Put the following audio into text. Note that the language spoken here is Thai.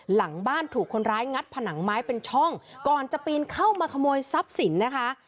หลังบ้านถูกคนร้ายงัดผนังไม้เป็นช่องก่อนจะปีนเข้ามาขโมยทรัพย์สินนะคะ